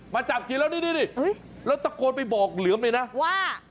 มาจากทีแล้วดิแล้วตะโกนไปบอกเหลือมเลยนะว่า